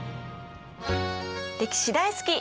歴史大好き！